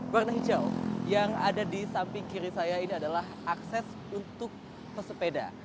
warna hijau yang ada di samping kiri saya ini adalah akses untuk pesepeda